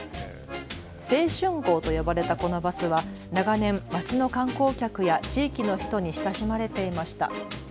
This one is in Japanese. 青春号と呼ばれたこのバスは長年、町の観光客や地域の人に親しまれていました。